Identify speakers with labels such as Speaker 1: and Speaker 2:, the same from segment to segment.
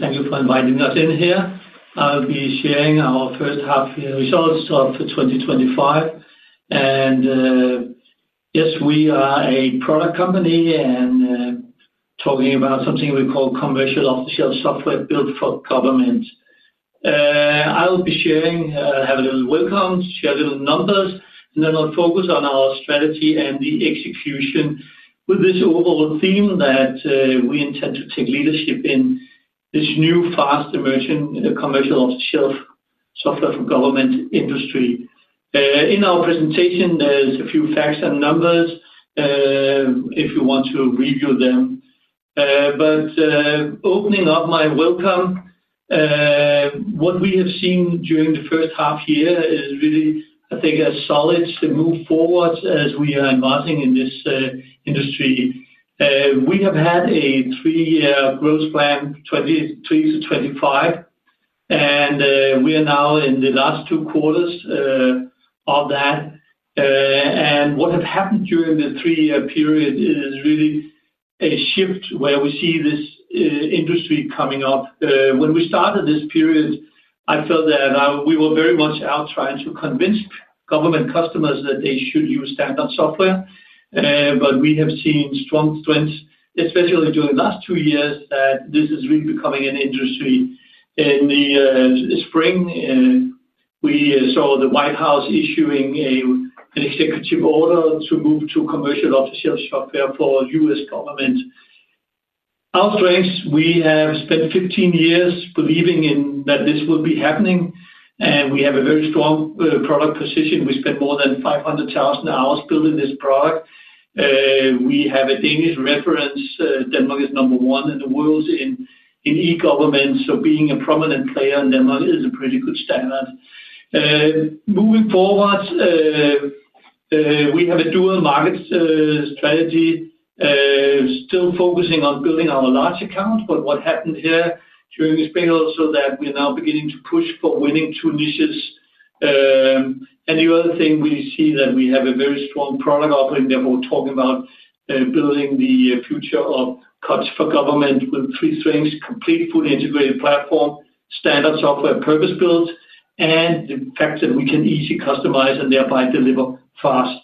Speaker 1: Thank you for inviting us in here. I'll be sharing our first half of the results for 2025. Yes, we are a product company and talking about something we call commercial off-the-shelf software built for government. I will be sharing, I'll have a little welcome, share a little numbers, and then I'll focus on our strategy and the execution with this overall theme that we intend to take leadership in this new fast emerging commercial off-the-shelf software for government industry. In our presentation, there's a few facts and numbers if you want to review them. Opening up my welcome, what we have seen during the first half year is really, I think, as solid as the move forward as we are embarking in this industry. We have had a three-year growth plan, 2020-2025, and we are now in the last two quarters of that. What has happened during the three-year period is really a shift where we see this industry coming up. When we started this period, I felt that we were very much out trying to convince government customers that they should use standard software. We have seen strong strengths, especially during the last two years, that this is really becoming an industry. In the spring, we saw the White House issuing an executive order to move to commercial off-the-shelf software for U.S. governments. Our strengths, we have spent 15 years believing in that this will be happening, and we have a very strong product position. We spent more than 500,000 hours building this product. We have a Danish reference. Denmark is number one in the world in e-government. Being a prominent player in Denmark is a pretty good standard. Moving forward, we have a dual market strategy, still focusing on building our large account. What happened here during the spring also is that we're now beginning to push for winning two niches. The other thing we see is that we have a very strong product offering. Therefore, we're talking about building the future of COTS-for-government with three strings: complete fully integrated platform, standard software purpose-built, and the fact that we can easily customize and thereby deliver fast.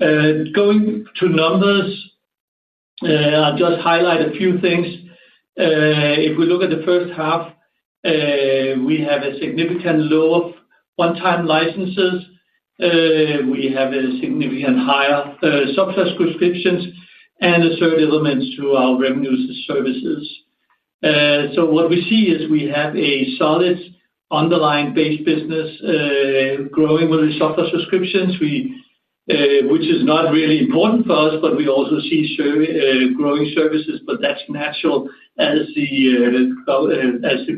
Speaker 1: Going to numbers, I'll just highlight a few things. If we look at the first half, we have a significant lower one-time licenses. We have a significant higher software subscriptions and a third element to our revenues and services. What we see is we have a solid underlying base business growing with the software subscriptions, which is not really important for us, but we also see growing services. That's natural as the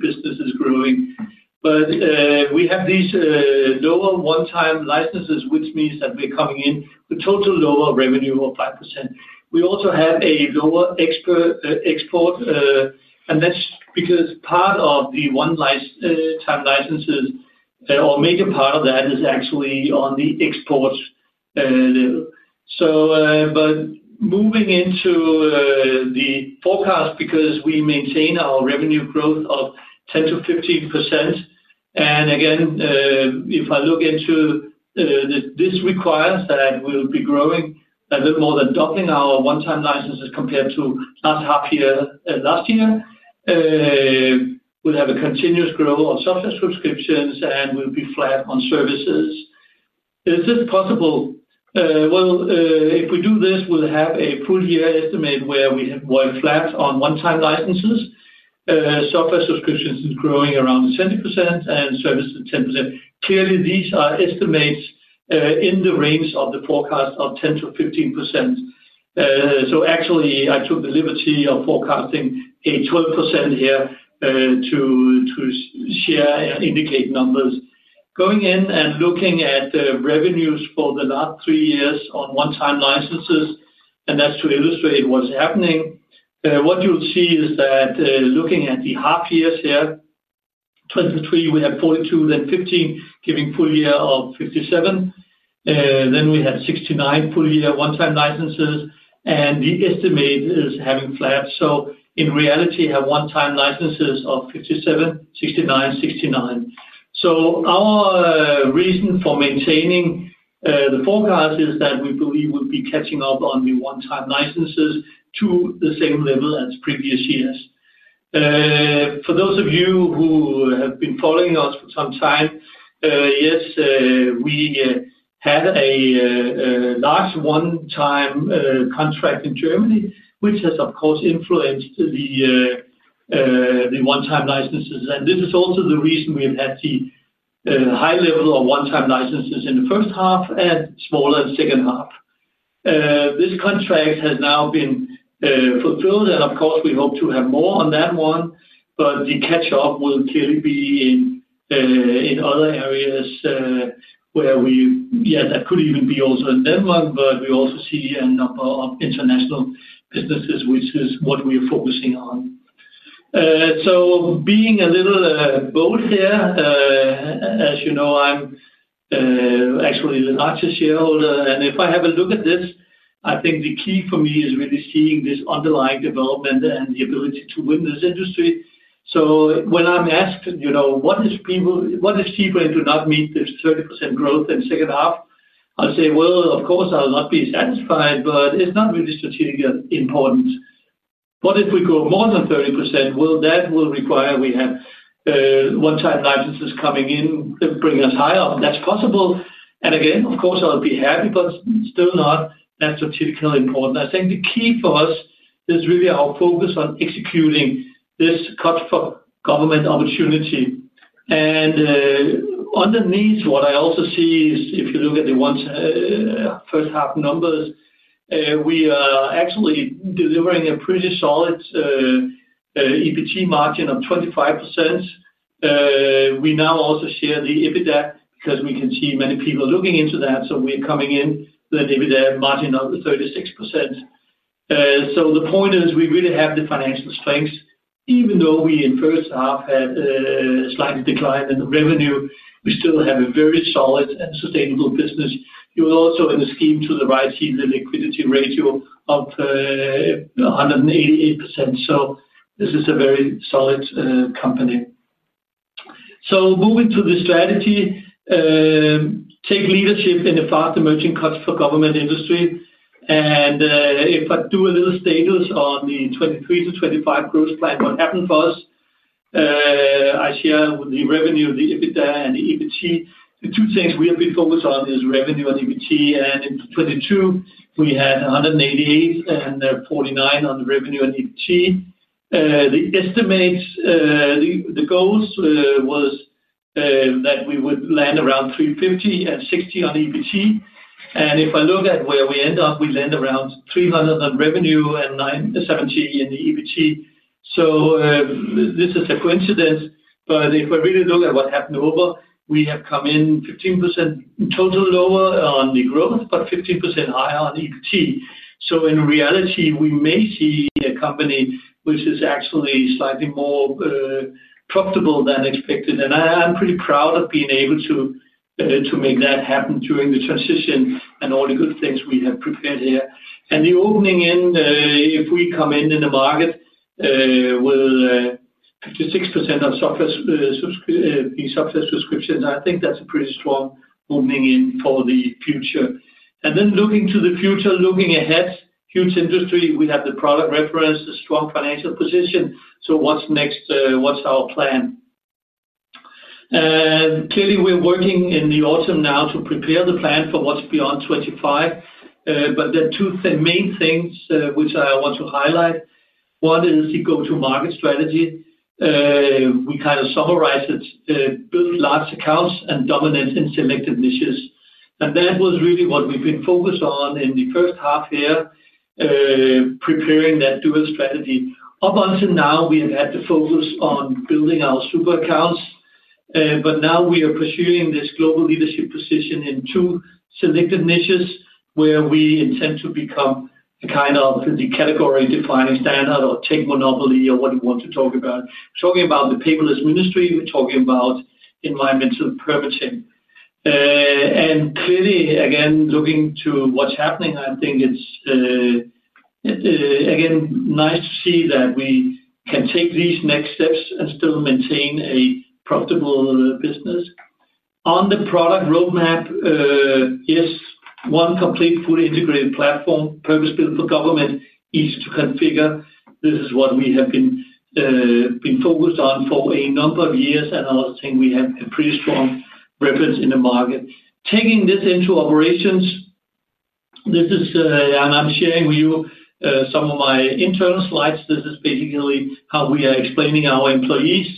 Speaker 1: business is growing. We have these lower one-time licenses, which means that we're coming in with a total lower revenue of 5%. We also have a lower export, and that's because part of the one-time licenses, or a major part of that, is actually on the export level. Moving into the forecast, we maintain our revenue growth of 10%-15%. If I look into this, it requires that we'll be growing a little more than doubling our one-time licenses compared to last half year last year. We'll have a continuous growth on software subscriptions and we'll be flat on services. Is this possible? If we do this, we'll have a full year estimate where we have one flat on one-time licenses. Software subscriptions is growing around 70% and services 10%. Clearly, these are estimates in the range of the forecast of 10%-15%. I took the liberty of forecasting a 12% here to share and indicate numbers. Going in and looking at the revenues for the last three years on one-time licenses, and that's to illustrate what's happening. What you'll see is that looking at the half years here, in 2023, we had 42, then 15, giving a full year of 57. Then we had a 69 full year one-time licenses, and the estimate is hanging flat. In reality, I have one-time licenses of 57, 69, 69. Our reason for maintaining the forecast is that we believe we'll be catching up on the one-time licenses to the same level as previous years. For those of you who have been following us for some time, yes, we had a large one-time contract in Germany, which has, of course, influenced the one-time licenses. This is also the reason we have had the high level of one-time licenses in the first half and smaller in the second half. This contract has now been fulfilled, and of course, we hope to have more on that one. The catch-up will clearly be in other areas where we, yeah, that could even be also in Denmark. We also see a number of international businesses, which is what we are focusing on. Being a little bold here, as you know, I'm actually the largest shareholder. If I have a look at this, I think the key for me is really seeing this underlying development and the ability to win this industry. When I'm asked, you know, what is cheaper and do not meet this 30% growth in the second half? I'll say, of course, I'll not be satisfied, but it's not really strategically important. If we grow more than 30%, that will require we have one-time licenses coming in to bring us higher. That's possible. Again, of course, I would be happy, but still not that strategically important. I think the key for us is really our focus on executing this COTS-for-government opportunity. Underneath, what I also see is if you look at the first half numbers, we are actually delivering a pretty solid EBIT margin of 25%. We now also share the EBITDA because we can see many people are looking into that. We are coming in with an EBITDA margin of 36%. The point is we really have the financial strengths. Even though we in the first half had a slight decline in revenue, we still have a very solid and sustainable business. You will also in the scheme to the right see the liquidity ratio of 188%. This is a very solid company. Moving to the strategy, take leadership in the fast emerging COTS-for-government industry. If I do a little status on the 2023-2025 growth plan, what happened for us, I share with the revenue, the EBITDA, and the EBIT. The two things we are really focused on is revenue and EBIT. In 2022, we had 188 and 49 on the revenue and EBIT. The estimate, the goals was that we would land around 350 and 60 on EBIT. If I look at where we end up, we land around 300 on revenue and 70 in the EBIT. This is a coincidence. If I really look at what happened over, we have come in 15% in total lower on the growth, but 15% higher on EBIT. In reality, we may see a company which is actually slightly more profitable than expected. I'm pretty proud of being able to make that happen during the transition and all the good things we have prepared here. The opening in, if we come in in the market with 56% of software subscriptions, I think that's a pretty strong opening in for the future. Looking to the future, looking ahead, huge industry, we have the product reference, a strong financial position. What's next? What's our plan? Clearly, we're working in the autumn now to prepare the plan for what's beyond 2025. There are two main things which I want to highlight. One is the go-to-market strategy. We kind of summarize it, build large accounts and dominance in selected niches. That was really what we've been focused on in the first half here, preparing that dual strategy. Up until now, we have had to focus on building our super accounts. Now we are pursuing this global leadership position in two selected niches where we intend to become a kind of the category-defining standard or take monopoly or what we want to talk about. We're talking about the paperless industry. We're talking about environmental permitting. Clearly, again, looking to what's happening, I think it's again nice to see that we can take these next steps and still maintain a profitable business. On the product roadmap, yes, one complete fully integrated platform, purpose-built for government, easy to configure. This is what we have been focused on for a number of years, and I think we have a pretty strong reference in the market. Taking this into operations, this is, and I'm sharing with you some of my internal slides. This is basically how we are explaining our employees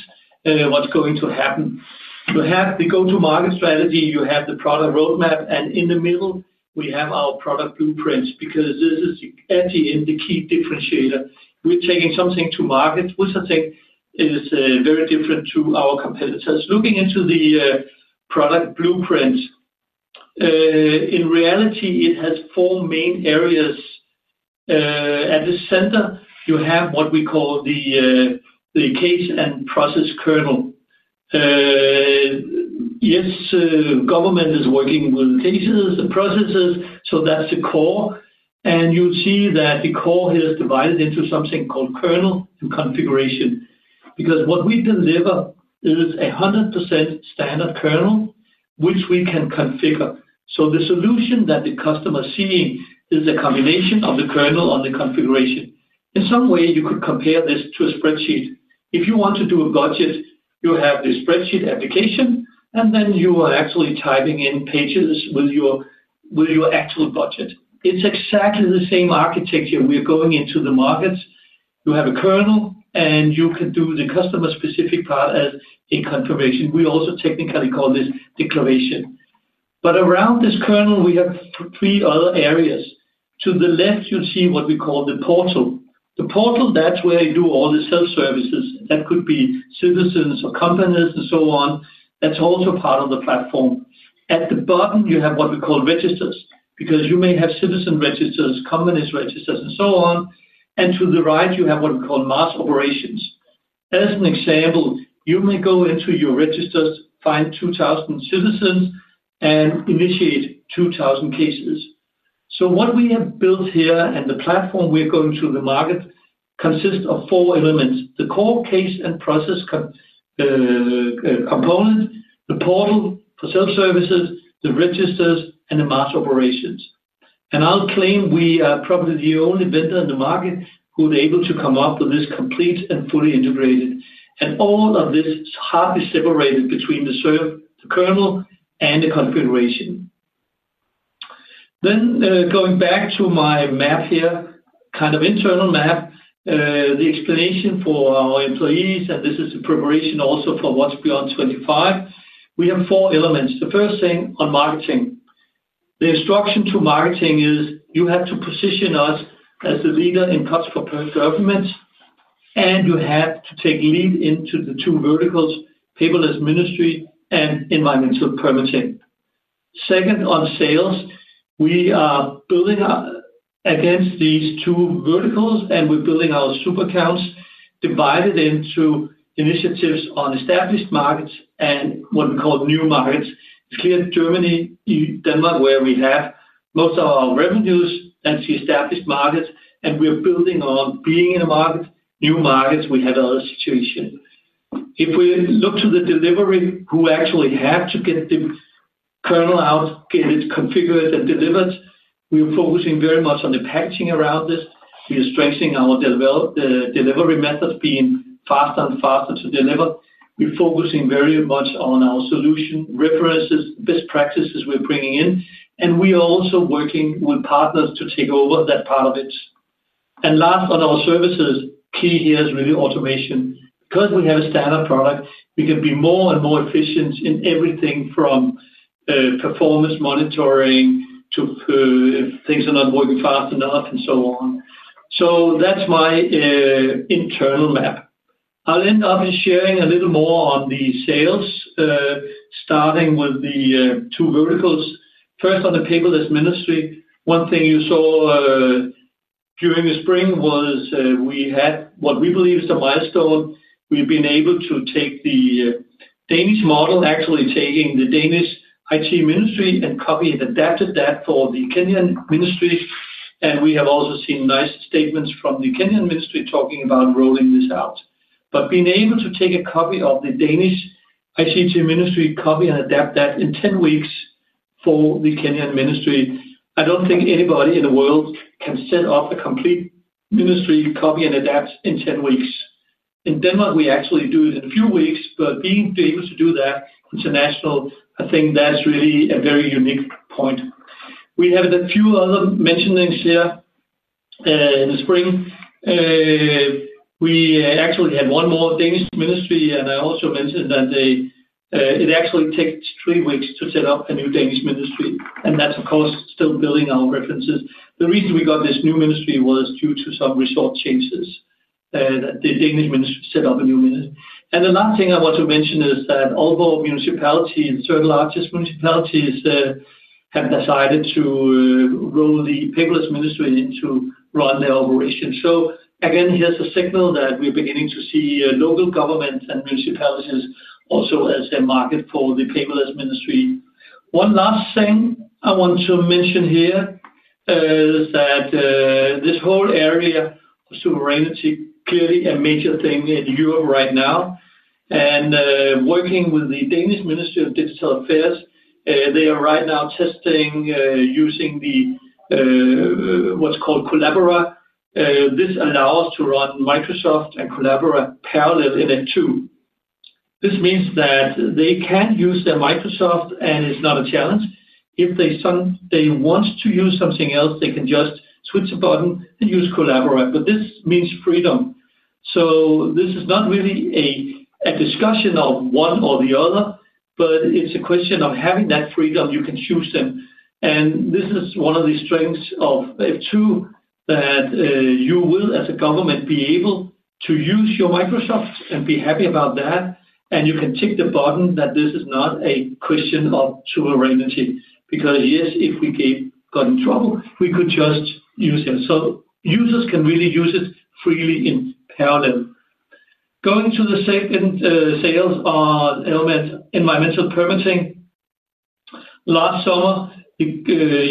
Speaker 1: what's going to happen. You have the go-to-market strategy, you have the product roadmap, and in the middle, we have our product blueprints because this is actually the key differentiator. We're taking something to market, which I think is very different to our competitors. Looking into the product blueprints, in reality, it has four main areas. At the center, you have what we call the case and process kernel. Yes, government is working with cases and processes. That's the core. You'll see that the core here is divided into something called kernel and configuration because what we deliver is a 100% standard kernel, which we can configure. The solution that the customer is seeing is a combination of the kernel and the configuration. In some way, you could compare this to a spreadsheet. If you want to do a budget, you have a spreadsheet application, and then you are actually typing in pages with your actual budget. It's exactly the same architecture. We are going into the markets. You have a kernel, and you can do the customer-specific part in configuration. We also technically call this declaration. Around this kernel, we have three other areas. To the left, you'll see what we call the portal. The portal, that's where you do all the self-services. That could be citizens or companies and so on. That's also part of the platform. At the bottom, you have what we call registers because you may have citizen registers, companies' registers, and so on. To the right, you have what we call mass operations. As an example, you may go into your registers, find 2,000 citizens, and initiate 2,000 cases. What we have built here and the platform we are going to the market with consists of four elements: the core case and process component, the portal, the self-services, the registers, and the mass operations. I will claim we are probably the only vendor in the market who is able to come up with this complete and fully integrated solution. All of this is hardly separated between the kernel and the configuration. Going back to my map here, kind of internal map, the explanation for our employees, this is the preparation also for what's beyond 2025. We have four elements. The first thing on marketing, the instruction to marketing is you have to position us as the leader in COTS-for-government, and you have to take lead into the two verticals: paperless ministry and environmental permitting. Second, on sales, we are building up against these two verticals, and we're building our super accounts divided into initiatives on established markets and what we call new markets. It's clear that Germany and Denmark, where we have most of our revenues, are established markets, and we are building on being in a market. In new markets, we have other situations. If we look to the delivery, who actually have to get the kernel out, get it configured, and delivered, we are focusing very much on the packaging around this. We are strengthening our delivery methods, being faster and faster to deliver. We're focusing very much on our solution references, best practices we're bringing in, and we are also working with partners to take over that part of it. Last, on our services, key here is really automation. Because we have a standard product, we can be more and more efficient in everything from performance monitoring to if things are not working fast enough and so on. That's my internal map. I'll end up sharing a little more on the sales, starting with the two verticals. First, on the paperless ministry, one thing you saw during the spring was we had what we believe is the milestone. We've been able to take the Danish model, actually taking the Danish IT ministry and copy and adapted that for the Kenyan ministry. We have also seen nice statements from the Kenyan ministry talking about rolling this out. Being able to take a copy of the Danish ICT ministry copy and adapt that in 10 weeks for the Kenyan ministry, I don't think anybody in the world can set up a complete ministry copy and adapt in 10 weeks. In Denmark, we actually do it in a few weeks, but being able to do that international, I think that is really a very unique point. We have done a few other mentionings here in the spring. We actually had one more Danish ministry, and I also mentioned that it actually takes three weeks to set up a new Danish ministry. That's, of course, still building our references. The reason we got this new ministry was due to some resort changes that the Danish ministry set up a new ministry. The last thing I want to mention is that all of our municipalities, the third largest municipalities, have decided to roll the paperless ministry into run their operations. Again, here's a signal that we're beginning to see local governments and municipalities also as a market for the paperless ministry. One last thing I want to mention here is that this whole area of sovereignty is clearly a major thing in Europe right now. Working with the Danish Ministry of Digital Affairs, they are right now testing using what's called Collabora. This allows us to run Microsoft and Collabora parallel in F2. This means that they can use their Microsoft, and it's not a challenge. If they want to use something else, they can just switch a button and use Collabora. This means freedom. This is not really a discussion of one or the other, but it's a question of having that freedom. You can choose them. This is one of the strengths of F2 that you will, as a government, be able to use your Microsoft and be happy about that. You can tick the button that this is not a question of sovereignty because, yes, if we got in trouble, we could just use it. Users can really use it freely in parallel. Going to the second sales element, environmental permitting. Last summer, the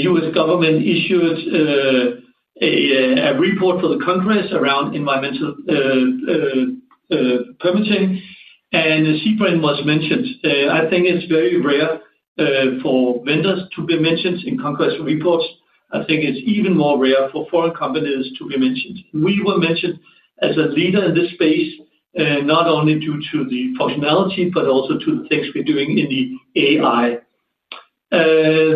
Speaker 1: U.S. government issued a report for the Congress around environmental permitting, and cBrain was mentioned. I think it's very rare for vendors to be mentioned in Congress reports. I think it's even more rare for foreign companies to be mentioned. We were mentioned as a leader in this space, not only due to the functionality, but also to the things we're doing in the AI.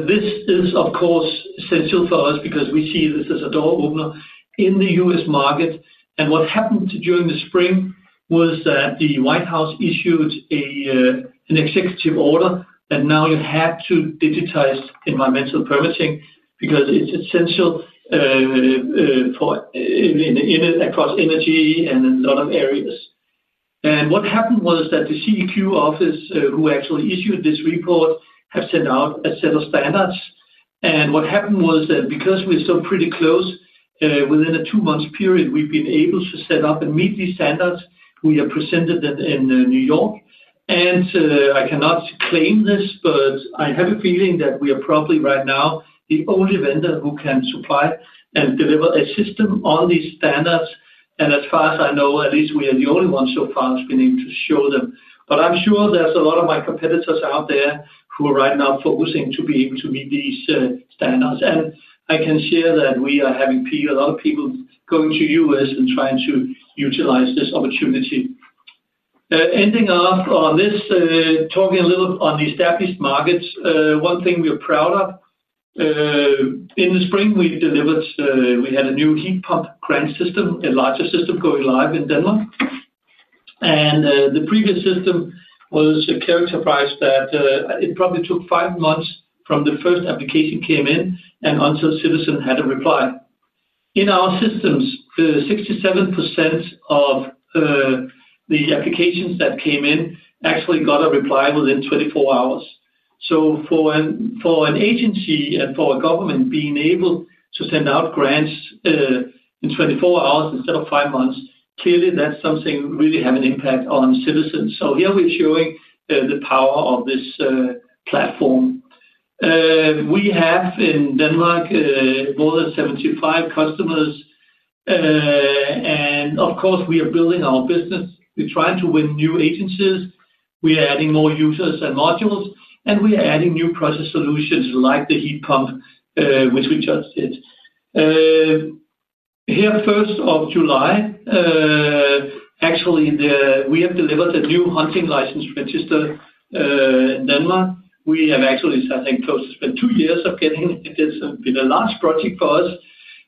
Speaker 1: This is, of course, essential for us because we see this as a door opener in the U.S. market. What happened during the spring was that the White House issued an executive order that now you have to digitize environmental permitting because it's essential across energy and a lot of areas. What happened was that the CEQ office, who actually issued this report, has sent out a set of standards. What happened was that because we're still pretty close, within a two-month period, we've been able to set up and meet these standards. We have presented them in New York. I cannot claim this, but I have a feeling that we are probably right now the only vendor who can supply and deliver a system on these standards. As far as I know, at least we are the only one so far that's been able to show them. I'm sure there's a lot of my competitors out there who are right now focusing to be able to meet these standards. I can share that we are having a lot of people going to the U.S. and trying to utilize this opportunity. Ending off on this, talking a little on the established markets, one thing we are proud of. In the spring, we delivered, we had a new heat pump brand system, a larger system going live in Denmark. The previous system was characterized that it probably took five months from the first application came in and until a citizen had a reply. In our systems, 67% of the applications that came in actually got a reply within 24 hours. For an agency and for a government being able to send out grants in 24 hours instead of five months, clearly that's something really having an impact on citizens. Here we're showing the power of this platform. We have in Denmark more than 75 customers. Of course, we are building our business. We try to win new agencies. We are adding more users and modules, and we are adding new process solutions like the heat pump, which we just did. Here, 1st of July, actually, we have delivered a new hunting license register in Denmark. We have actually, I think, close to spent two years of getting it. It's been a large project for us.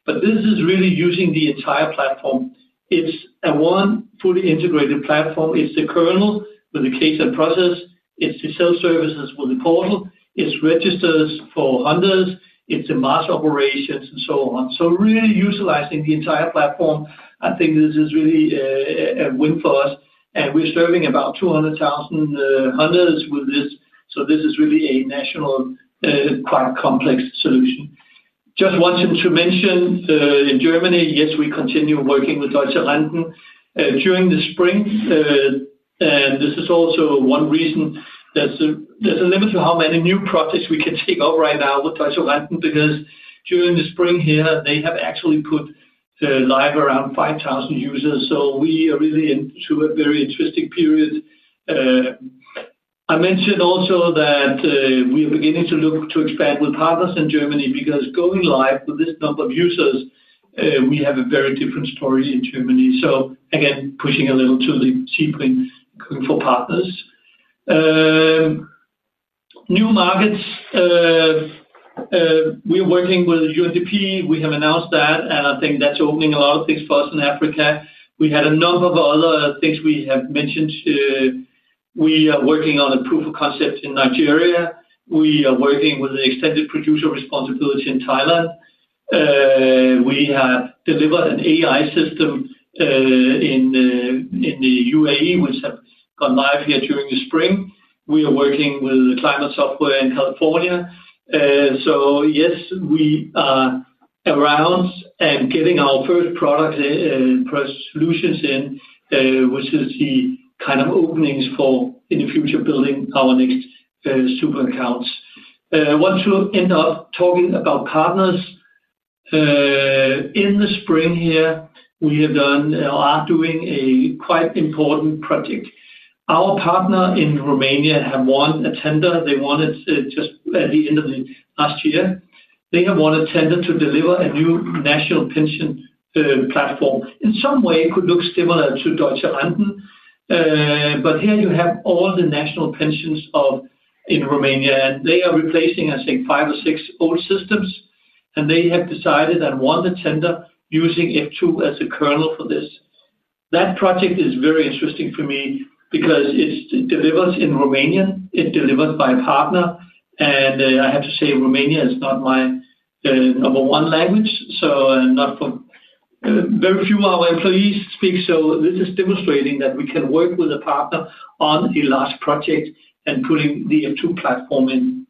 Speaker 1: This is really using the entire platform. It's a one fully integrated platform. It's the kernel with the case and process. It's the self-services with the portal. It's registers for hunters. It's the mass operations and so on. Really utilizing the entire platform, I think this is really a win for us. We're serving about 200,000 hunters with this. This is really a national, quite a complex solution. Just wanted to mention in Germany, yes, we continue working with Deutsche Rentenversicherung during the spring. This is also one reason that's limited to how many new projects we can take out right now with Deutsche Rentenversicherung because during the spring here, they have actually put live around 5,000 users. We are really into a very interesting period. I mentioned also that we are beginning to look to expand with partners in Germany because going live with this number of users, we have a very different story in Germany. Again, pushing a little to the cBrain going for partners. New markets, we are working with UNDP. We have announced that, and I think that's opening a lot of things for us in Africa. We had a number of other things we have mentioned. We are working on a proof of concept in Nigeria. We are working with the extended producer responsibility in Thailand. We have delivered an AI system in the UAE, which has gone live here during the spring. We are working with the climate software in California. Yes, we are around and getting our first product and first solutions in, which is the kind of openings for in the future building our next super accounts. Once we end up talking about partners, in the spring here, we are doing a quite important project. Our partner in Romania has won a tender. They won it just at the end of last year. They have won a tender to deliver a new national pension platform. In some way, it could look similar to Deutsche Rentenversicherung. Here you have all the national pensions in Romania, and they are replacing, I think, five or six old systems. They have decided and won the tender using F2 as a kernel for this. That project is very interesting for me because it delivers in Romanian. It's delivered by a partner. I have to say, Romania is not my number one language. Not very few of our employees speak. This is demonstrating that we can work with a partner on a large project and putting the F2 platform in.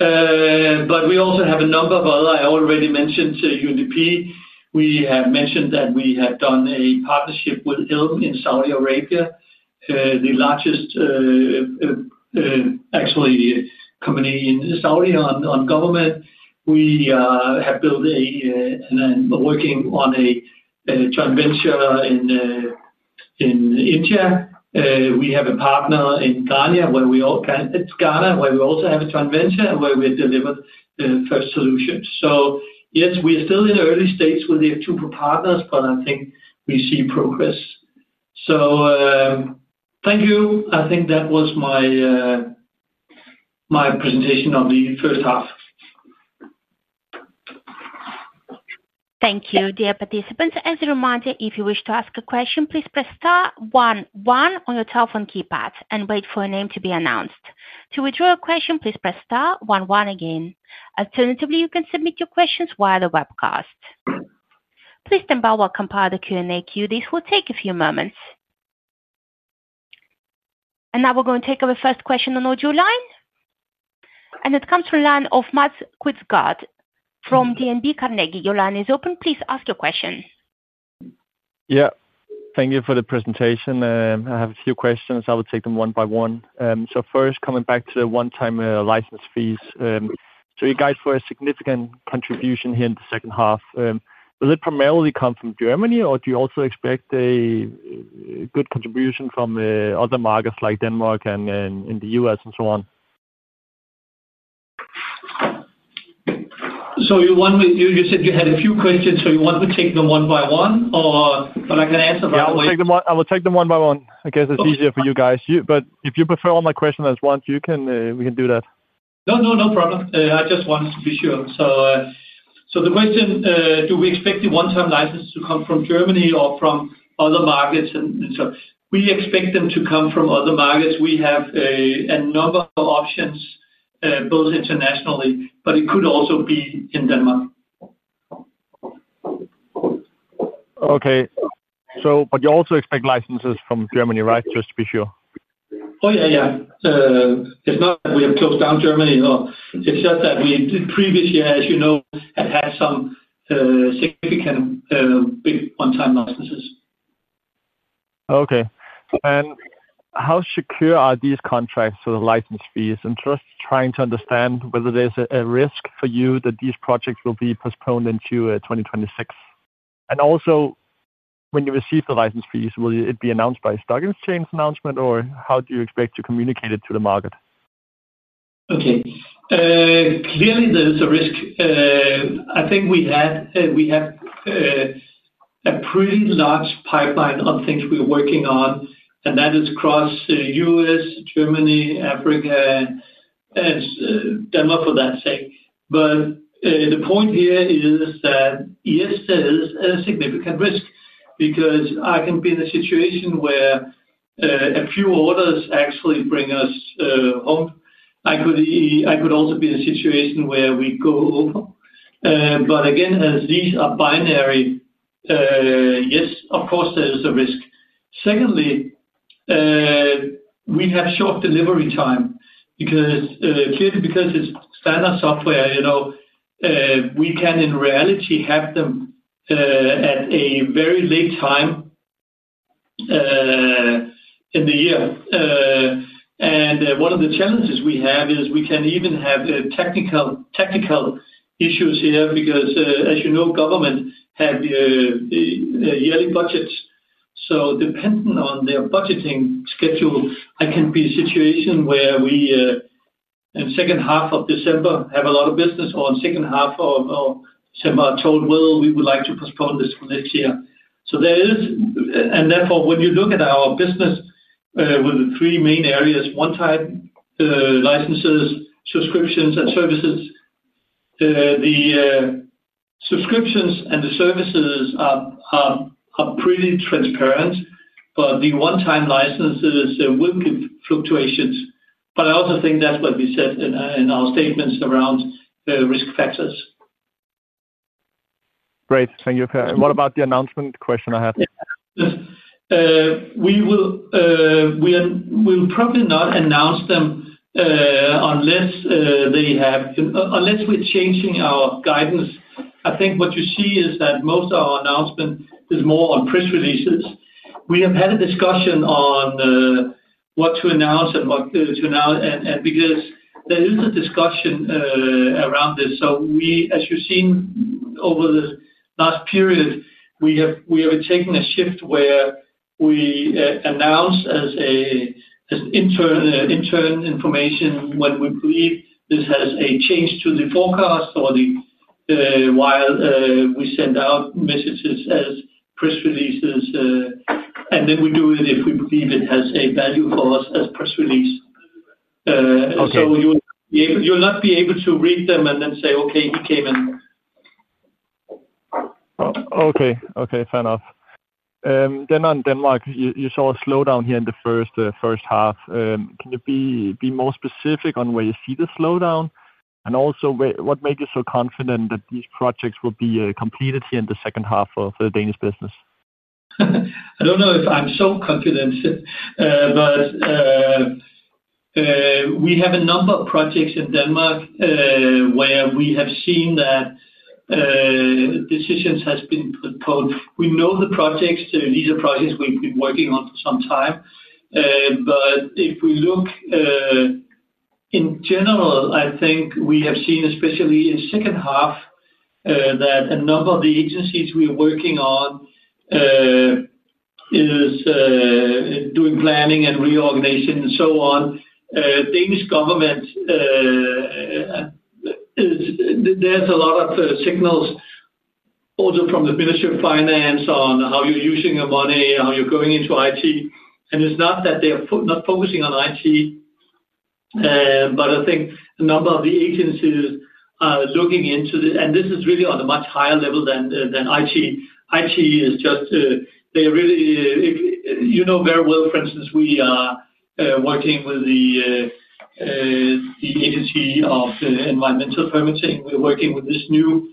Speaker 1: We also have a number of others. I already mentioned UNDP. We have mentioned that we have done a partnership with Helm in Saudi Arabia, the largest actually company in Saudi on government. We have built a working on a joint venture in India. We have a partner in Ghana, where we also have a joint venture and where we delivered first solutions. Yes, we are still in the early stage with the F2 partners, but I think we see progress. Thank you. I think that was my presentation of the first half.
Speaker 2: Thank you, dear participants. As a reminder, if you wish to ask a question, please press star one one on your telephone keypad and wait for your name to be announced. To withdraw a question, please press star one one again. Alternatively, you can submit your questions via the webcast. Please stand by while I compile the Q&A queue. This will take a few moments. We are going to take our first question on audio line. It comes from the line of Mads Quistgaard from DNB Carnegie. Your line is open. Please ask your question.
Speaker 3: Thank you for the presentation. I have a few questions. I will take them one by one. First, coming back to the one-time license fees, you guys were a significant contribution here in the second half. Will it primarily come from Germany, or do you also expect a good contribution from other markets like Denmark and in the U.S. and so on?
Speaker 1: You said you had a few questions. Do you want me to take them one by one, or I can answer them?
Speaker 3: I'll take them one by one. I guess it's easier for you guys. If you prefer all my questions at once, we can do that.
Speaker 1: No problem. I just wanted to be sure. The question, do we expect the one-time license to come from Germany or from other markets? We expect them to come from other markets. We have a number of options, both internationally, but it could also be in Denmark.
Speaker 3: Okay, you also expect licenses from Germany, right? Just to be sure.
Speaker 1: Yeah, yeah. It's not we have to close down Germany. It's just that we in the previous year, as you know, had had some significant big one-time licenses.
Speaker 3: Okay. How secure are these contracts to the license fees? I'm just trying to understand whether there's a risk for you that these projects will be postponed into 2026. Also, when you receive the license fees, will it be announced by a stock exchange announcement, or how do you expect to communicate it to the market?
Speaker 1: Okay. Clearly, there's a risk. I think we have a pretty large pipeline of things we're working on, and that is across the U.S., Germany, Africa, and Denmark, for that sake. The point here is that yes, there is a significant risk because I can be in a situation where a few orders actually bring us home. I could also be in a situation where we go over. As these are binary, yes, of course, there is a risk. Secondly, we have short delivery time because clearly, because it's standard software, you know we can in reality have them at a very late time in the year. One of the challenges we have is we can even have technical issues here because, as you know, government have yearly budgets. Depending on their budgeting schedule, I can be in a situation where we, in the second half of December, have a lot of business, or in the second half of December, I'm told, "We would like to postpone this for next year." There is, and therefore, when you look at our business with the three main areas: one-time licenses, subscriptions, and services, the subscriptions and the services are pretty transparent, but the one-time licenses will give fluctuations. I also think that's what we said in our statements around risk factors.
Speaker 3: Great. Thank you. What about the announcement question I have?
Speaker 1: We will probably not announce them unless we're changing our guidance. I think what you see is that most of our announcement is more on press releases. We have had a discussion on what to announce and what to announce, and because there is a discussion around this. As you've seen over the last period, we have taken a shift where we announce as an internal information when we believe this has a change to the forecast, while we send out messages as press releases if we believe it has a value for us as press release. You'll not be able to read them and then say, "Okay, he came in."
Speaker 3: Okay. Fair enough. On Denmark, you saw a slowdown here in the first half. Can you be more specific on where you see the slowdown? Also, what made you so confident that these projects will be completed here in the second half for the Danish business?
Speaker 1: I don't know if I'm so confident, but we have a number of projects in Denmark where we have seen that decisions have been postponed. We know the projects. These are projects we've been working on for some time. If we look in general, I think we have seen, especially in the second half, that a number of the agencies we are working on is doing planning and reorganizing and so on. Danish government, there's a lot of signals also from the Ministry of Finance on how you're using your money, how you're going into IT. It's not that they're not focusing on IT, but I think a number of the agencies are looking into this. This is really on a much higher level than IT. IT is just, they're really, you know very well, for instance, we are working with the agency of environmental permitting. We're working with this new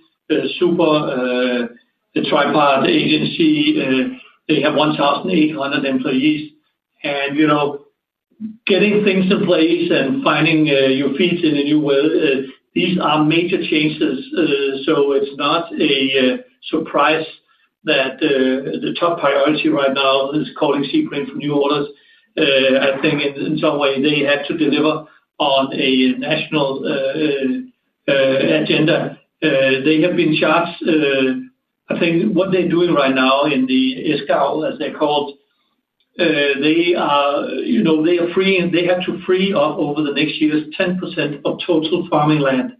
Speaker 1: super tripart agency. They have 1,800 employees. You know getting things in place and finding your feet in a new way, these are major changes. It's not a surprise that the top priority right now is calling cBrain for new orders. I think in some way, they had to deliver on a national agenda. They have been charged, I think what they're doing right now in the SKAL, as they're called, they are, you know, they are free, and they have to free up over the next year's 10% of total farming land.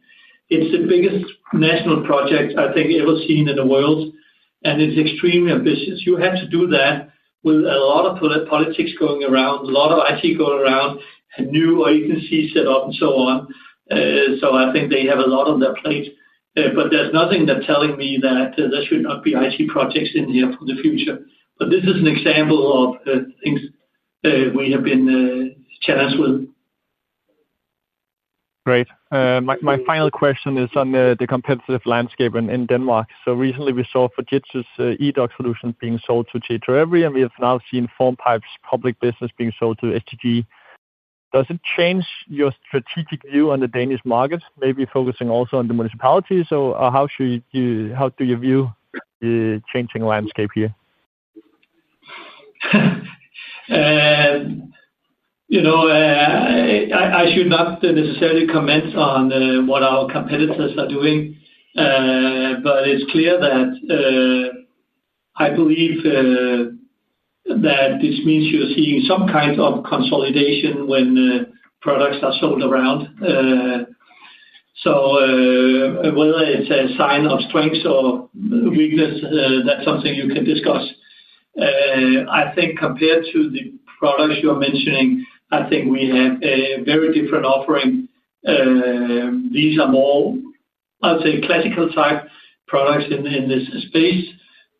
Speaker 1: It's the biggest national project I think you've ever seen in the world. It's extremely ambitious. You have to do that with a lot of politics going around, a lot of IT going around, and new agencies set up and so on. I think they have a lot on their plate. There's nothing that's telling me that there should not be IT projects in here for the future. This is an example of things we have been challenged with.
Speaker 3: Great. My final question is on the competitive landscape in Denmark. Recently, we saw Fujitsu's e-doc solution being sold to JT Revery, and we have now seen Formpipe's public business being sold to STG. Does it change your strategic view on the Danish market, maybe focusing also on the municipalities? How do you view the changing landscape here? You know.
Speaker 1: I should not necessarily comment on what our competitors are doing, but it's clear that I believe that this means you're seeing some kind of consolidation when products are sold around. Whether it's a sign of strengths or weakness, that's something you can discuss. I think compared to the products you're mentioning, I think we have a very different offering. These are more, I'd say, classical type products in this space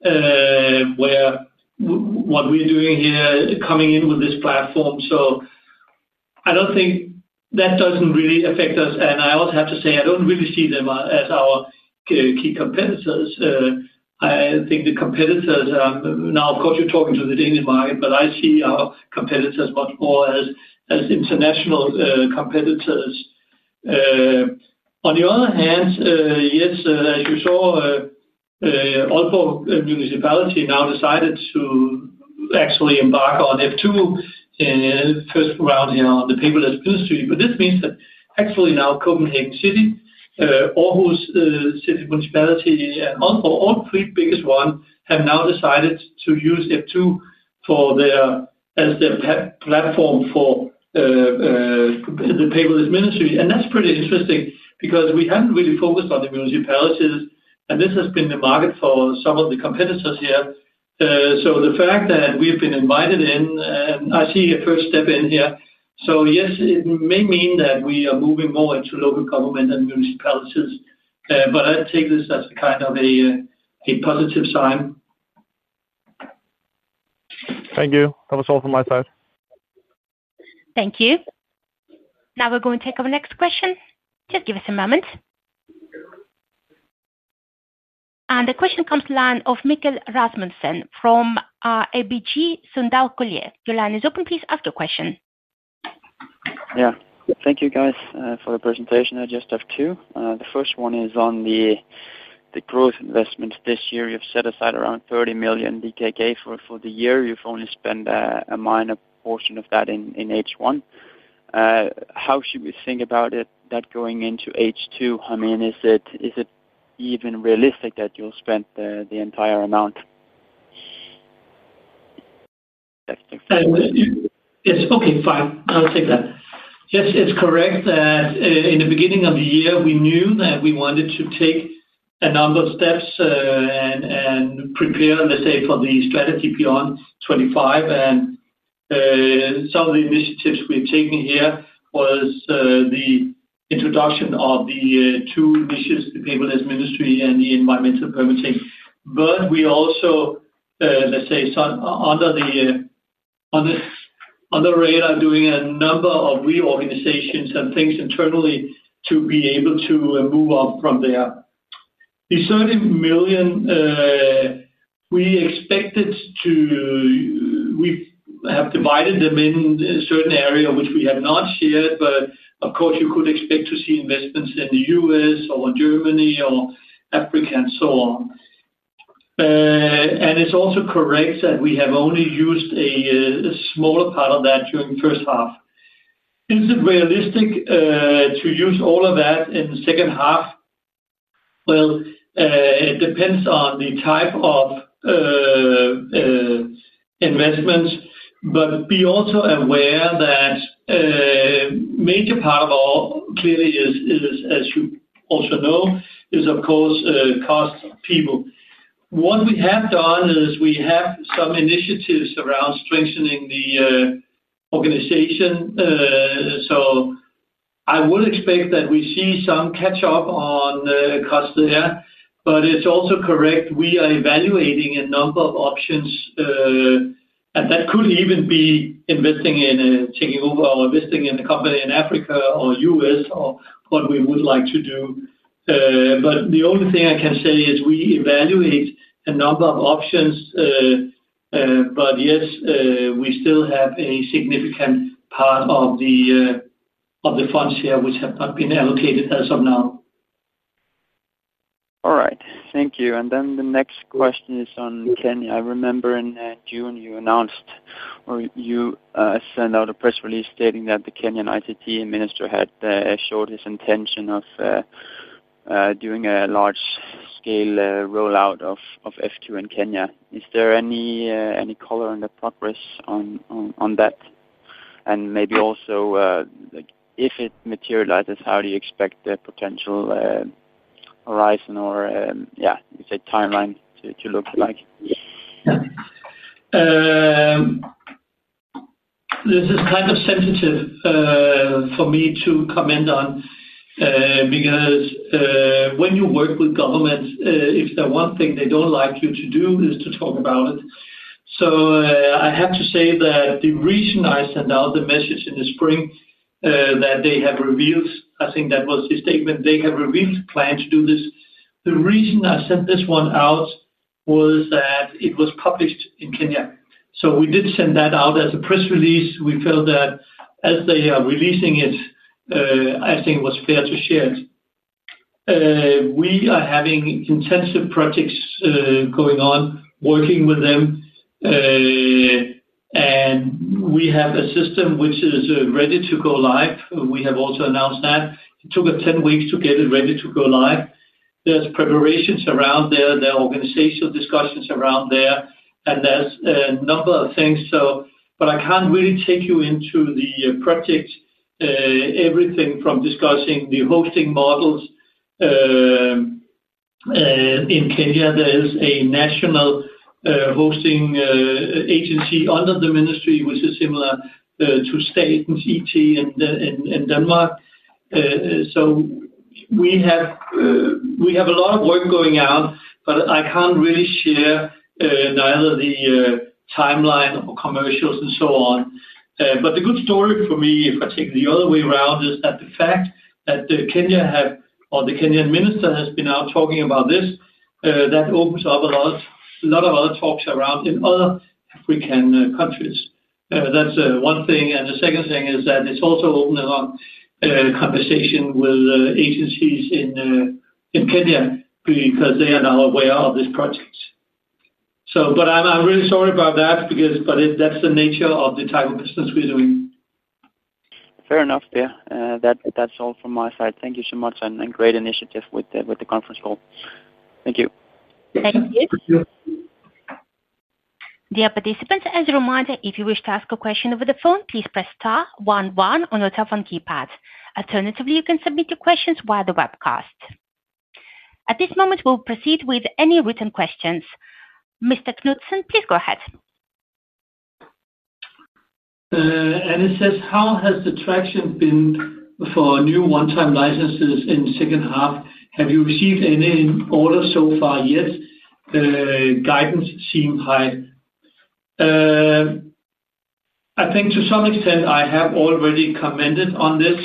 Speaker 1: where what we're doing here is coming in with this platform. I don't think that doesn't really affect us. I also have to say, I don't really see them as our key competitors. I think the competitors are now, of course, you're talking to the Danish market, but I see our competitors much more as international competitors. On the other hand, yes, as you saw, Aalborg Municipality now decided to actually embark on F2 in the first round here on the paperless ministry. This means that actually now Copenhagen City, Aarhus City Municipality, and Aalborg, our three biggest ones, have now decided to use F2 as their platform for the paperless ministry. That's pretty interesting because we haven't really focused on the municipalities. This has been the market for some of the competitors here. The fact that we have been invited in, I see a first step in here. Yes, it may mean that we are moving more into local government and municipalities. I take this as a kind of a positive sign.
Speaker 3: Thank you. That was all from my side.
Speaker 2: Thank you. Now we're going to take our next question. Just give us a moment. The question comes to the line of Mikkel Rasmussen from ABG Sundal Collier. Your line is open, please, after the question.
Speaker 4: Thank you, guys, for the presentation. I just have two. The first one is on the growth investments. This year, you've set aside around 30 million DKK for the year. You've only spent a minor portion of that in H1. How should we think about it, that going into H2? I mean, is it even realistic that you'll spend the entire amount?
Speaker 1: Yes. Okay. Fine. I'll take that. Yes, it's correct that in the beginning of the year, we knew that we wanted to take a number of steps and prepare, let's say, for the strategy beyond 2025. Some of the initiatives we've taken here were the introduction of the two initiatives, the paperless ministry and the environmental permitting. We also, let's say, under the radar, are doing a number of reorganizations and things internally to be able to move on from there. The 30 million, we expected to, we have divided them in a certain area, which we have not shared. Of course, you could expect to see investments in the U.S. or Germany or Africa and so on. It's also correct that we have only used a smaller part of that during the first half. Is it realistic to use all of that in the second half? It depends on the type of investments. Be also aware that a major part of our, clearly, is, as you also know, is, of course, cost of people. What we have done is we have some initiatives around strengthening the organization. I would expect that we see some catch-up on costs there. It's also correct we are evaluating a number of options. That could even be investing in taking over or investing in the company in Africa or the U.S. or what we would like to do. The only thing I can say is we evaluate a number of options. Yes, we still have a significant part of the funds here, which have not been allocated as of now.
Speaker 4: All right. Thank you. The next question is on Kenya. I remember in June, you announced or you sent out a press release stating that the Kenyan ICT Minister had assured his intention of doing a large-scale rollout of F2 in Kenya. Is there any color in the progress on that? Maybe also, if it materializes, how do you expect the potential horizon or, yeah, is it a timeline to look like?
Speaker 1: This is kind of sensitive for me to comment on because when you work with governments, if there's one thing they don't like you to do, it's to talk about it. I have to say that the reason I sent out the message in the spring that they have revealed, I think that was the statement, they have revealed a plan to do this. The reason I sent this one out was that it was published in Kenya. We did send that out as a press release. We felt that as they are releasing it, I think it was fair to share it. We are having intensive projects going on, working with them, and we have a system which is ready to go live. We have also announced that. It took us 10 weeks to get it ready to go live. There are preparations around there. There are organizational discussions around there, and there's a number of things. I can't really take you into the project, everything from discussing the hosting models. In Kenya, there is a national hosting agency under the ministry, which is similar to State and CT in Denmark. We have a lot of work going on, but I can't really share neither the timeline or commercials and so on. The good story for me, if I take the other way around, is that the fact that Kenya or the Kenyan minister has been out talking about this, that opens up a lot of other talks around in other African countries. That's one thing. The second thing is that it's also opened a lot of conversation with agencies in Kenya because they are now aware of this project. I'm really sorry about that, but that's the nature of the type of business we're doing.
Speaker 4: Fair enough, dear. That's all from my side. Thank you so much, and great initiative with the conference call. Thank you.
Speaker 2: Thank you. Dear participants, as a reminder, if you wish to ask a question over the phone, please press star one, one on your telephone keypad. Alternatively, you can submit your questions via the webcast. At this moment, we'll proceed with any written questions. Mr. Knudsen, please go ahead.
Speaker 1: It says, "How has the traction been for new one-time licenses in the second half? Have you received any orders so far?" Yes. Guidance seemed high. I think to some extent, I have already commented on this.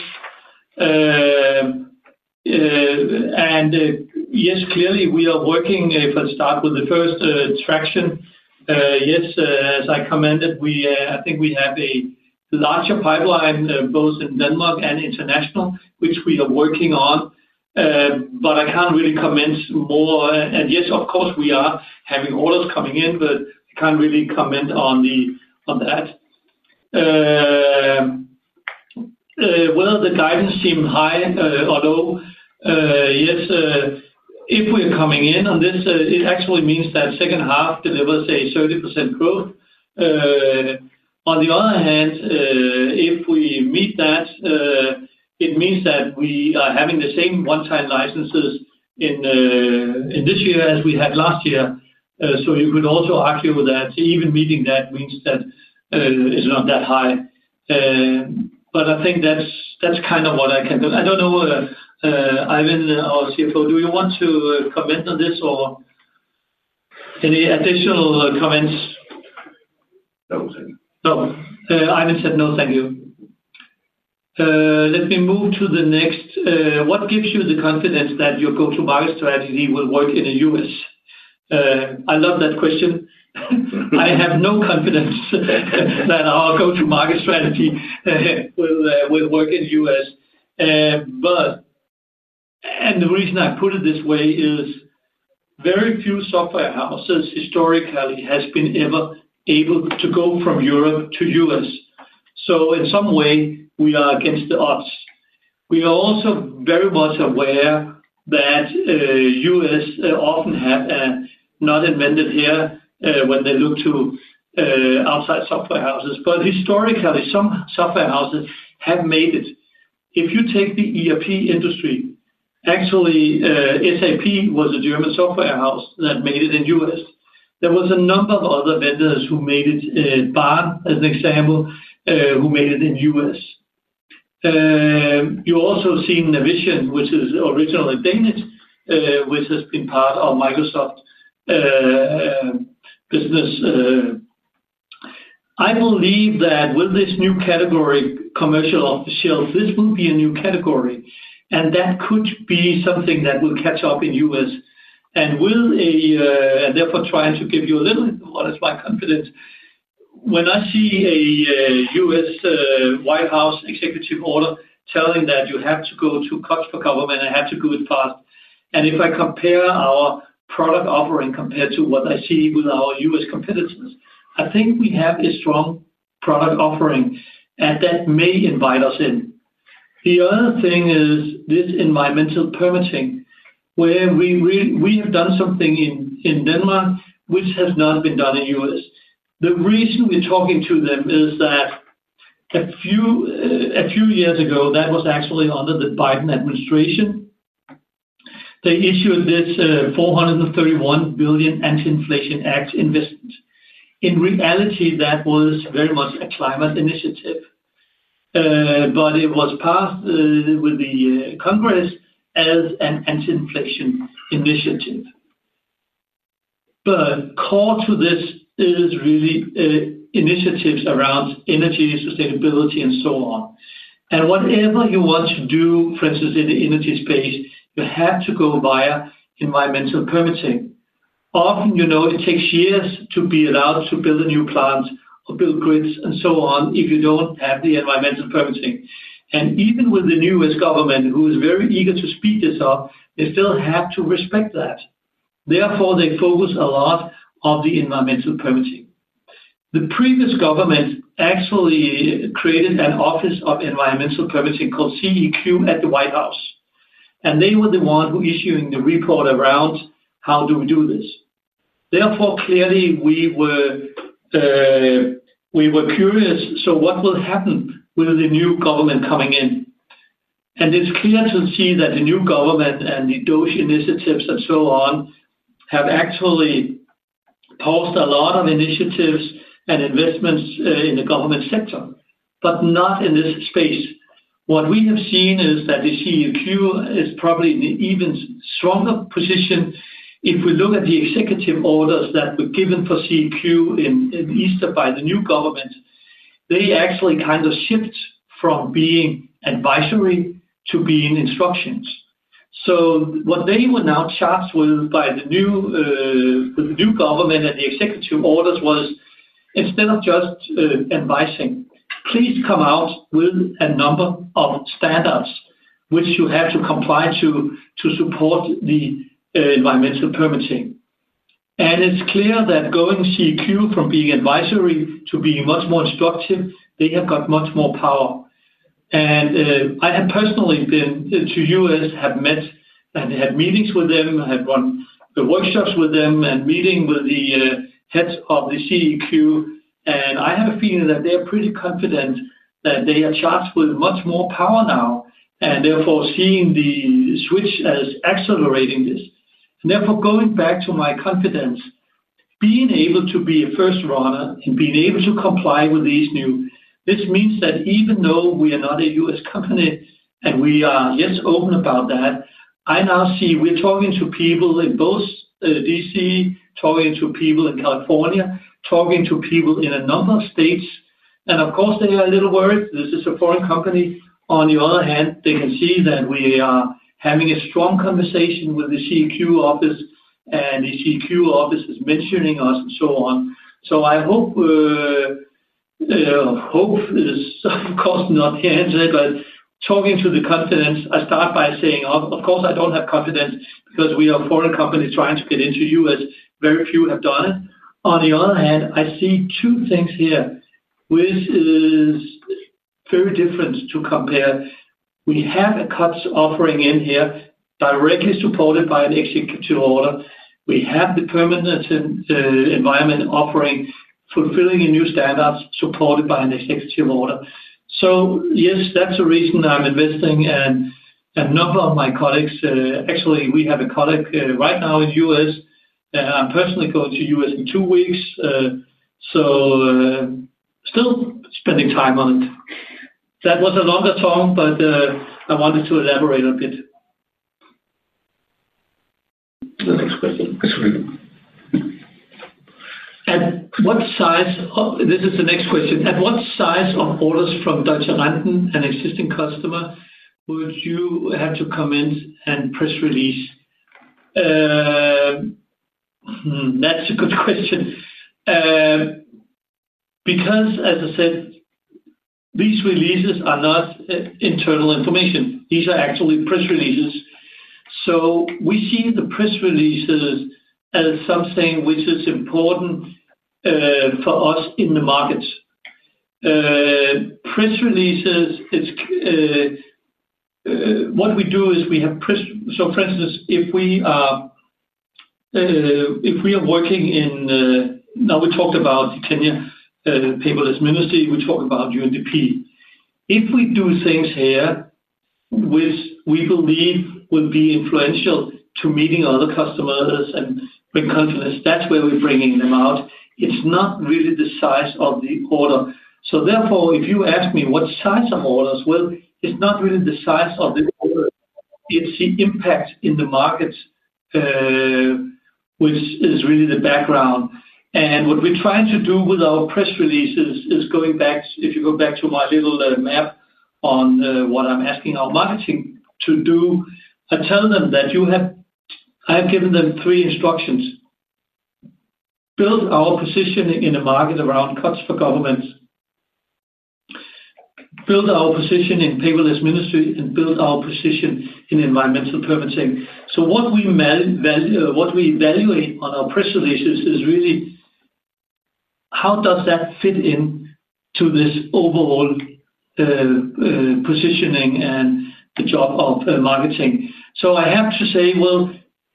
Speaker 1: Yes, clearly, we are working if I start with the first traction. Yes, as I commented, I think we have a larger pipeline both in Denmark and international, which we are working on. I can't really comment more. Yes, of course, we are having orders coming in, but I can't really comment on that. The guidance seemed high, although if we are coming in on this, it actually means that the second half delivers a 30% growth. On the other hand, if we meet that, it means that we are having the same one-time licenses in this year as we had last year. You could also argue that even meeting that means that it's not that high. I think that's kind of what I can tell. I don't know, Ejvind, our CFO, do you want to comment on this or any additional comments? No. Ejvind said no. Thank you. Let me move to the next. What gives you the confidence that your go-to-market strategy will work in the U.S.? I love that question. I have no confidence that our go-to-market strategy will work in the U.S. The reason I put it this way is very few software houses historically have been ever able to go from Europe to the U.S. In some way, we are against the odds. We are also very much aware that the U.S. often has not invented here when they look to outside software houses. Historically, some software houses have made it. If you take the ERP industry, actually, SAP was a German software house that made it in the U.S. There were a number of other vendors who made it, Baan, as an example, who made it in the U.S. You also see Navision, which is originally Danish, which has been part of Microsoft business. I believe that with this new category, COTS-for-government, this will be a new category. That could be something that will catch up in the U.S. Therefore, trying to give you a little bit of honest confidence, when I see a U.S. White House executive order telling that you have to go to COTS-for-government, I have to do it fast. If I compare our product offering compared to what I see with our U.S. competitors, I think we have a strong product offering, and that may invite us in. The other thing is this environmental permitting, where we have done something in Denmark, which has not been done in the U.S. The reason we're talking to them is that a few years ago, that was actually under the Biden administration. They issued this $431 billion Anti-Inflation Act investment. In reality, that was very much a climate initiative, but it was passed with the Congress as an anti-inflation initiative. The core to this is really initiatives around energy, sustainability, and so on. Whatever you want to do, for instance, in the energy space, you have to go via environmental permitting. Often, it takes years to be allowed to build a new plant or build grids and so on if you don't have the environmental permitting. Even with the U.S. government, who is very eager to speed this up, they still have to respect that. Therefore, they focus a lot on the environmental permitting. The previous government actually created an Office of Environmental Permitting called CEQ at the White House, and they were the ones who were issuing the report around how do we do this. Clearly, we were curious, so what will happen with the new government coming in? It's clear to see that the new government and the DOGE initiatives and so on have actually posed a lot of initiatives and investments in the government sector, but not in this space. What we have seen is that the CEQ is probably in an even stronger position. If we look at the executive orders that were given for CEQ in Easter by the new government, they actually kind of shift from being advisory to being instructions. What they were now charged with by the new government and the executive orders was, instead of just advising, please come out with a number of standards which you have to comply to to support the environmental permitting. It's clear that going to CEQ from being advisory to being much more instructive, they have got much more power. I have personally been to the U.S., have met and had meetings with them, had run workshops with them, and meeting with the heads of the CEQ. I have a feeling that they are pretty confident that they are charged with much more power now. Therefore, seeing the switch as accelerating this. Going back to my confidence, being able to be a first runner and being able to comply with these new, this means that even though we are not a U.S. company and we are yet open about that, I now see we're talking to people in both D.C., talking to people in California, talking to people in a number of states. Of course, they are a little worried. This is a foreign company. On the other hand, they can see that we are having a strong conversation with the CEQ office, and the CEQ office is mentioning us and so on. I hope, hope is, of course, not the answer, but talking to the confidence, I start by saying, of course, I don't have confidence because we are a foreign company trying to get into the U.S. Very few have done it. On the other hand, I see two things here, which are very different to compare. We have a COTS offering in here directly supported by an executive order. We have the permanent environment offering fulfilling in new standards supported by an executive order. Yes, that's the reason I'm investing. A number of my colleagues, actually, we have a colleague right now in the U.S., and I'm personally going to the U.S. in two weeks. Still spending time on it. That was a longer term, but I wanted to elaborate a bit.
Speaker 5: The next question. Sorry.
Speaker 1: What size? This is the next question. At what size of orders from Deutsche Rentenversicherung, an existing customer, would you have to comment and press release? That's a good question. Because, as I said, these releases are not internal information. These are actually press releases. We see the press releases as something which is important for us in the markets. Press releases, what we do is we have press. For instance, if we are working in, now we talked about the Kenya paperless ministry, we talk about UNDP. If we do things here which we believe will be influential to meeting other customers and bring confidence, that's where we're bringing them out. It's not really the size of the order. Therefore, if you ask me what size of orders, it's not really the size of the order. You see impact in the markets, which is really the background. What we're trying to do with our press releases is going back. If you go back to my little map on what I'm asking our marketing to do, I tell them that I have given them three instructions. Build our position in the market around COTS-for-government. Build our position in paperless ministry and build our position in environmental permitting. What we value on our press releases is really how does that fit into this overall positioning and the job of marketing. I have to say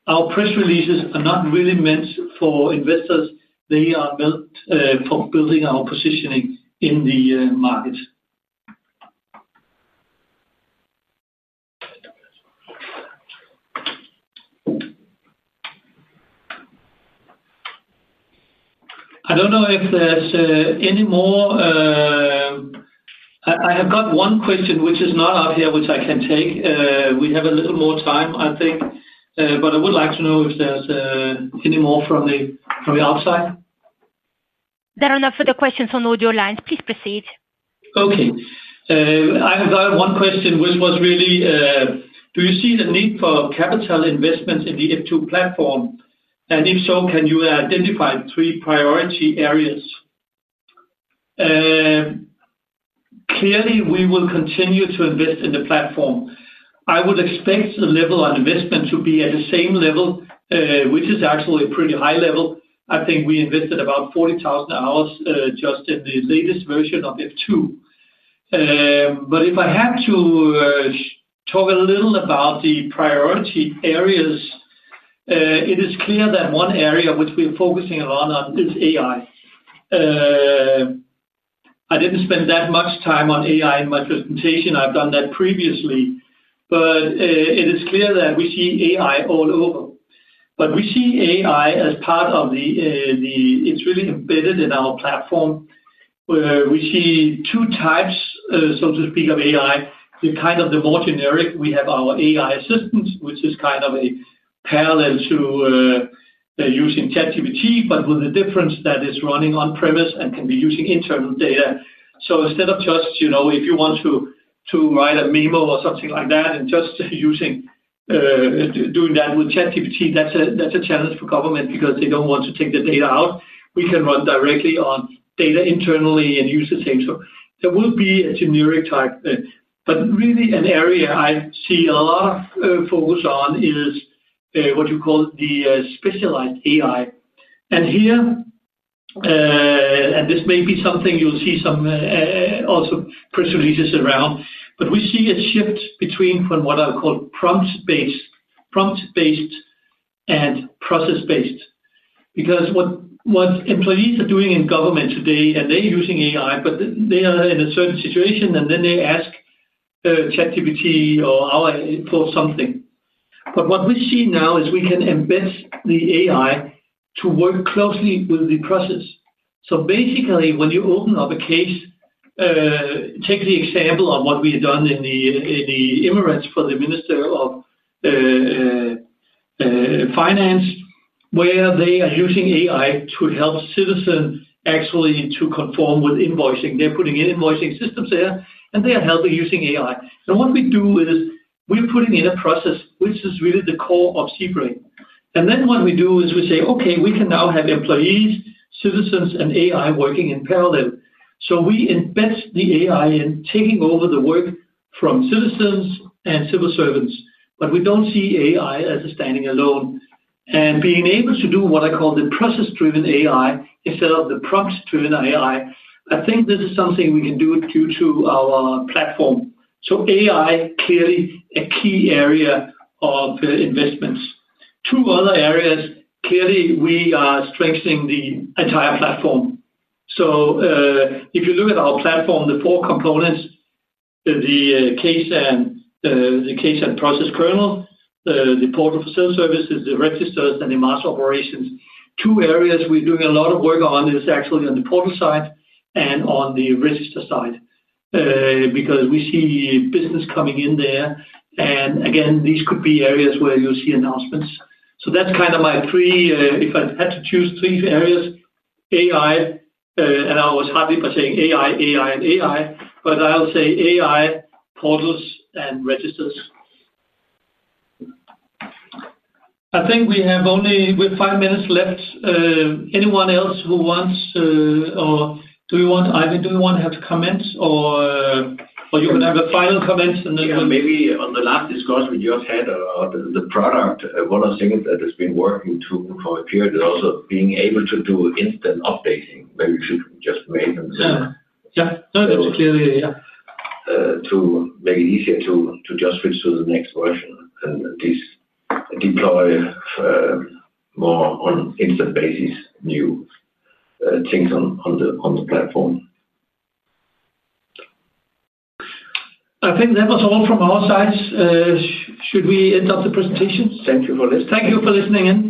Speaker 1: our press releases are not really meant for investors. They are built for building our positioning in the market. I don't know if there's any more. I have got one question, which is not out here, which I can take. We have a little more time, I think. I would like to know if there's any more from the outside.
Speaker 2: There are no further questions on audio lines. Please proceed.
Speaker 1: Okay. I have one question, which was really, do you see the need for capital investments in the F2 digital platform? And if so, can you identify three priority areas? Clearly, we will continue to invest in the platform. I would expect the level of investment to be at the same level, which is actually a pretty high level. I think we invested about 40,000 hours just at the latest version of F2. If I have to talk a little about the priority areas, it is clear that one area which we're focusing a lot on is AI. I didn't spend that much time on AI in my presentation. I've done that previously. It is clear that we see AI all over. We see AI as part of the, it's really embedded in our platform. We see two types, so to speak, of AI. The kind of the more generic, we have our F2 AI Assistant, which is kind of a parallel to using ChatGPT, but with the difference that it's running on-premise and can be using internal data. Instead of just, you know, if you want to write a memo or something like that and just using, doing that with ChatGPT, that's a challenge for government because they don't want to take the data out. We can run directly on data internally and use the same. There will be a generic type. Really, an area I see a lot of focus on is what you call the specialized AI. This may be something you'll see some also press releases around, but we see a shift from what I call prompt-based, prompt-based, and process-based. What employees are doing in government today, and they're using AI, but they are in a certain situation, and then they ask ChatGPT or something. What we see now is we can embed the AI to work closely with the process. Basically, when you open up a case, take the example of what we have done in the Emirates for the Minister of Finance, where they are using AI to help citizens actually to conform with invoicing. They're putting in invoicing systems there, and they are helping using AI. What we do is we're putting in a process, which is really the core of cBrain. Then what we do is we say, "Okay, we can now have employees, citizens, and AI working in parallel." We embed the AI in taking over the work from citizens and civil servants. We don't see AI as standing alone. Being able to do what I call the process-driven AI instead of the prompt-driven AI, I think this is something we can do due to our platform. AI is clearly a key area of investments. Two other areas, clearly, we are strengthening the entire platform. If you look at our platform, the four components, the case and process kernel, the portal for sales services, the registers, and the mass operations. Two areas we're doing a lot of work on are actually on the portal side and on the register side because we see business coming in there. These could be areas where you'll see announcements. That's kind of my three, if I had to choose three areas: AI, and I was happy by saying AI, AI, and AI, but I'll say AI, portals, and registers. I think we have only five minutes left. Anyone else who wants, or do we want, Ejvind, do we want to have comments? Or you can have a final comment.
Speaker 5: Maybe on the last discussion we just had about the product, one of the things that has been working too for a period is also being able to do instant updating.
Speaker 1: Yeah, yeah. No, that's a clear idea.
Speaker 5: To make it easier to just switch to the next version and deploy more on an instant basis, new things on the platform.
Speaker 1: I think that was all from our side. Should we end up the presentation?
Speaker 5: Thank you for listening.
Speaker 1: Thank you for listening.